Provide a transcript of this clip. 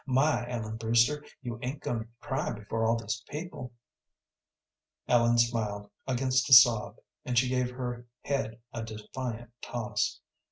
My, Ellen Brewster, you ain't going to cry before all these people!" Ellen smiled against a sob, and she gave her head a defiant toss.